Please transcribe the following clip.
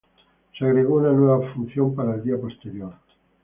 Se agregó una nueva función para el día posterior.